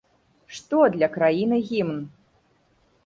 Што для краіны гімн?